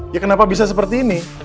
ya kenapa bisa seperti ini